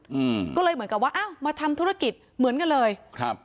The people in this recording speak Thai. อืมก็เลยเหมือนกับว่าอ้าวมาทำธุรกิจเหมือนกันเลยครับ